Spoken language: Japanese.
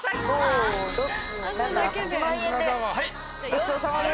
ごちそうさまです。